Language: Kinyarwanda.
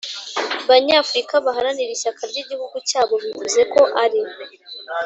banyafurika baharanira ishyaka ry igihugu cyabo bivuze ko ari